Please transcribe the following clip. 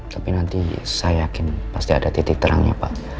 tapi nanti saya yakin pasti ada titik terangnya pak